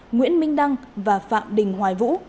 nguyễn minh đăng và phạm đình hoài vũ